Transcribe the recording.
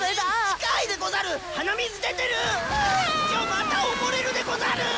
また溺れるでござる！